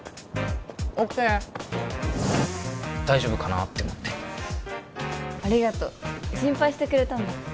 ＯＫ大丈夫かなって思ってありがとう心配してくれたんだ